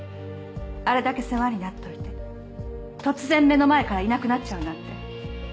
あれだけ世話になっておいて突然目の前からいなくなっちゃうなんて。